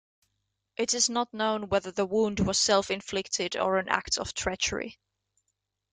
It is not known whether the wound was self-inflicted or an act of treachery.